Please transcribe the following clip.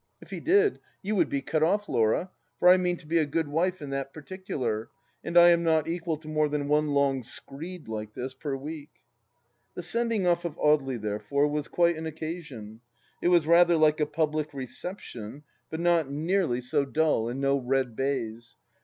If he did, you would be cut oft, Laura, for I mean to be a good wife in that particular, and I am not equal to more than one long screed like this per week. The sending off of Audely, therefore, was quite an occa sion. It was rather like a public reception, but not nearly 279 280 THE LAST DITCH so dull, and no red baize.